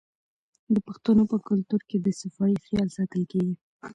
د پښتنو په کلتور کې د صفايي خیال ساتل کیږي.